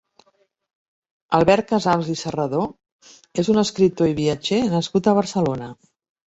Albert Casals i Serradó és un escriptor i viatger nascut a Barcelona.